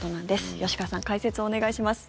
吉川さん、解説をお願いします。